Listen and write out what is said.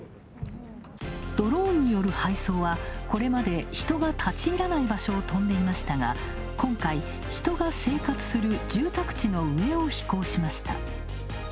ドローンによる配送は、これまで人が立ち入らない場所を飛んでいましたが今回、人が生活する住宅地の上を飛行しました。